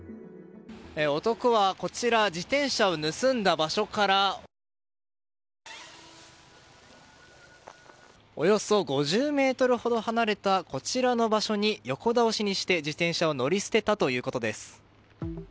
男は自転車を盗んだ場所からおよそ５０ｍほど離れたこちらの場所に横倒しにして、自転車を乗り捨てたということです。